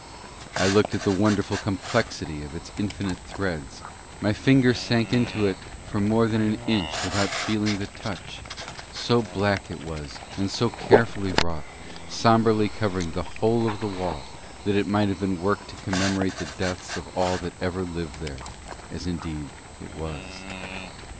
I looked at the wonderful complexity of its infinite threads, my finger sank into it for more than an inch without feeling the touch; so black it was and so carefully wrought, sombrely covering the whole of the wall, that it might have been worked to commemorate the deaths of all that ever lived there, as indeed it was.